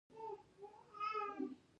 عصري تعلیم مهم دی ځکه چې د انټرپرینرشپ هڅوي.